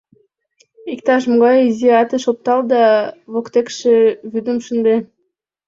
Иктаж-могай изи атыш оптал да воктекше вӱдым шынде.